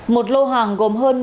một lô hàng gồm hơn một mươi năm đồng